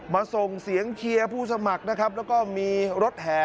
มาส่งเสียงเชียร์ผู้สมัครแล้วก็มีรถแห